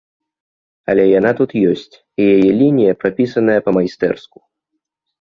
Але яна тут ёсць, і яе лінія прапісаная па-майстэрску.